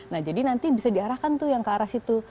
nah jadi nanti bisa diarahkan tuh yang ke arah situ